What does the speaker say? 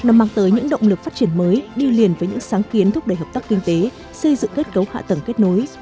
nó mang tới những động lực phát triển mới đi liền với những sáng kiến thúc đẩy hợp tác kinh tế xây dựng kết cấu hạ tầng kết nối